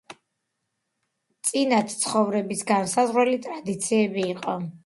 წინათ ცხოვრების განსაზღვრელი ტრადიციები იყო.